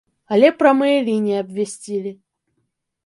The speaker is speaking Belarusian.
Але прамыя лініі абвясцілі.